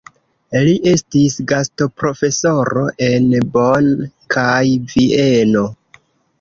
Li estis gastoprofesoro en Bonn kaj Vieno.